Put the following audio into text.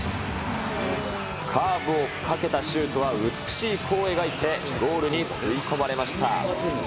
カーブをかけたシュートは、美しい弧を描いて、ゴールに吸い込まれました。